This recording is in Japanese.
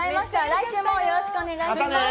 来週もよろしくお願いします。